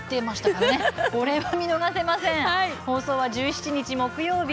放送は１７日、木曜日。